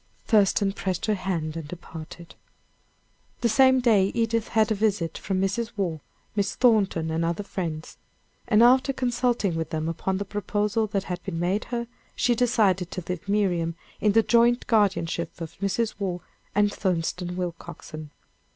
Thurston pressed her hand and departed. The same day Edith had a visit from Mrs. Waugh, Miss Thornton and other friends. And after consulting with them upon the proposal that had been made her, she decided to leave Miriam in the joint guardianship of Mrs. Waugh and Thurston Willcoxen.